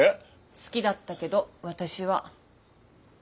好きだったけど私は。